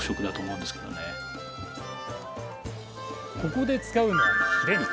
ここで使うのはヒレ肉。